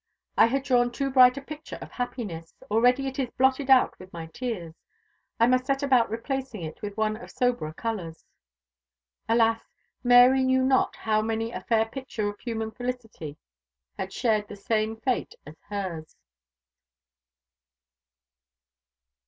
I had drawn too bright a picture of happiness; already it is blotted out with my tears. I must set about replacing it with one of soberer colours." Alas! Mary knew not how many a fair picture of human felicity had shared the same fate as hers!